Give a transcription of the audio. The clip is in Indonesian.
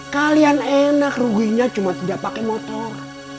kalian enak ruginya cuma tidak pakai motor